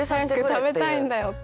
早く食べたいんだよって。